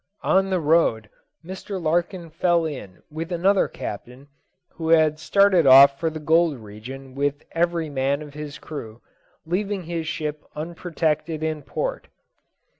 On the road Mr. Larkin fell in with another captain who had started off for the gold region with every man of his crew, leaving his ship unprotected in port.